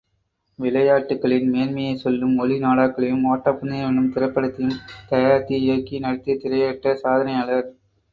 விளையாட்டுக்களின் மேன்மையை சொல்லும் ஒலி நாடாக்களையும், ஒட்டப்பந்தயம் என்னும் திரைப்படத்தையும் தயாரித்து இயக்கி, நடித்து திரையிட்ட சாதனையாளர்.